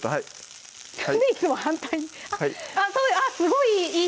なんでいつも反対にあっすごいいい！